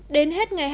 đến hết ngoài